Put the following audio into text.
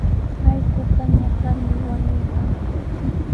Allquqa ñakarmi wañuykan.